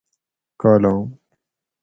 کالام